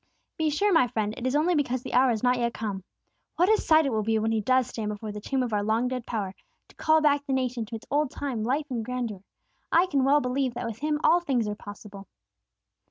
"Be sure, my friend, it is only because the hour has not yet come. What a sight it will be when He does stand before the tomb of our long dead power, to call back the nation to its old time life and grandeur. I can well believe that with Him all things are possible."